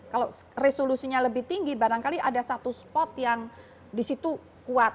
kalau resolusinya lebih tinggi barangkali ada satu spot yang disitu kuat